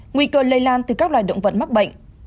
nguy cơ lây lan từ các loài động vật mắc bệnh